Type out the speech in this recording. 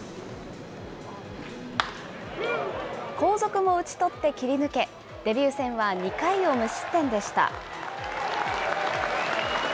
後続も打ち取って切り抜け、デビュー戦は２回を無失点でした。